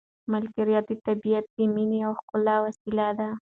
ملکیار ته طبیعت د مینې یوه ښکلې وسیله ده.